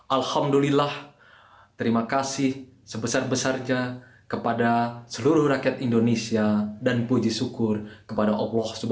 alhamdulillah terima kasih sebesar besarnya kepada seluruh rakyat indonesia dan puji syukur kepada allah swt